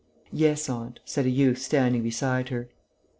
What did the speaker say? "Yes, aunt," said a youth standing beside her.